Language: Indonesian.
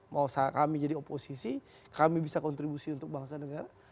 mau kami jadi oposisi kami bisa kontribusi untuk bangsa negara